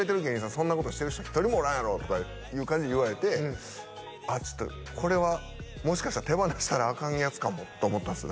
そんなことしてる人一人もおらんやろとかいう感じで言われてあっちょっとこれはもしかしたら手放したらアカンやつかもと思ったんですよ